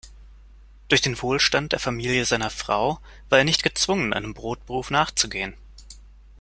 Durch den Wohlstand der Familie seiner Frau war er nicht gezwungen, einem Brotberuf nachzugehen.